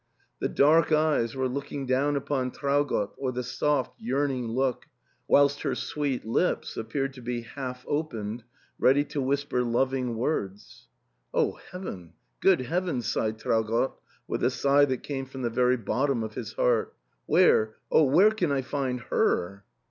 The dark eyes were looking down upon Traugott with a soft yearning look, whilst her sweet lips appeared to be half opened ready to whisper loving words. "O heaven ! Good heaven !" sighed Traugott with a sigh that came from the very bottom of his heart ; "where — oh! where can I find her?"